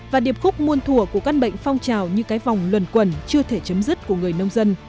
và điệp khúc muôn thùa của các bệnh phong trào như cái vòng luẩn quẩn chưa thể chấm dứt của người nông dân